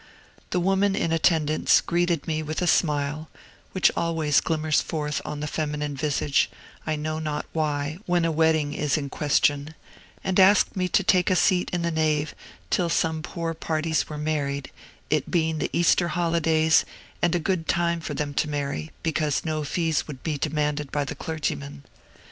The woman in attendance greeted me with a smile (which always glimmers forth on the feminine visage, I know not why, when a wedding is in question), and asked me to take a seat in the nave till some poor parties were married, it being the Easter holidays, and a good time for them to marry, because no fees would be demanded by the clergyman.